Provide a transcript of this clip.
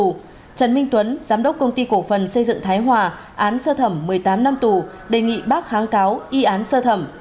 trần minh tuấn giám đốc công ty cổ phần xây dựng thái hòa án sơ thẩm một mươi tám năm tù đề nghị bác kháng cáo y án sơ thẩm